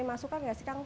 masukan gak sih kang